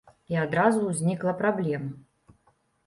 І адразу ўзнікла праблема.